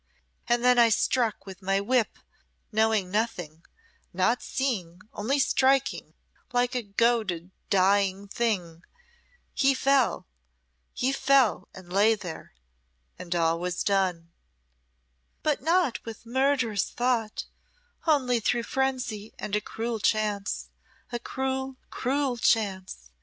And then I struck with my whip, knowing nothing, not seeing, only striking, like a goaded dying thing. He fell he fell and lay there and all was done!" "But not with murderous thought only through frenzy and a cruel chance a cruel, cruel chance.